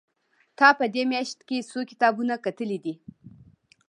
تا په دې مياشت کې څو کتابونه کتلي دي؟